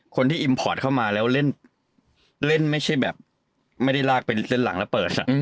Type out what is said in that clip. คนที่อิมพอร์ตเข้ามาแล้วเล่นไม่ได้รากเป็นเส้นหลังแล้วเปิดอ่ะ